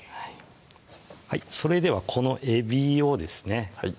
それではこのえびをですねはい